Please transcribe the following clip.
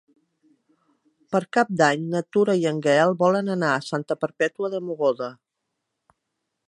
Per Cap d'Any na Tura i en Gaël volen anar a Santa Perpètua de Mogoda.